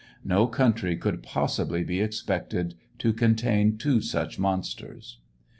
No country could possibly be expected to contain two such monsters.